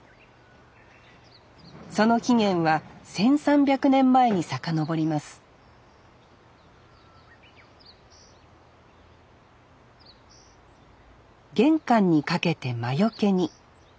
その起源は１，３００年前に遡ります玄関にかけて魔よけに。